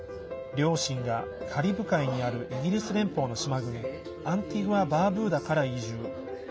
両親が、カリブ海にあるイギリス連邦の島国アンティグア・バーブーダから移住。